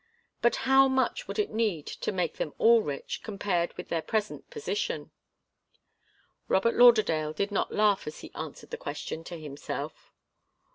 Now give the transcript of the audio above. But how much would it need to make them all rich, compared with their present position? Robert Lauderdale did not laugh as he answered the question to himself.